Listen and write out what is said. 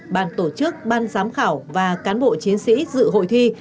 ban tổ chức ban giám khảo và cán bộ chiến sĩ dự hội thi